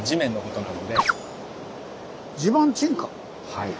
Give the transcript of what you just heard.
はい。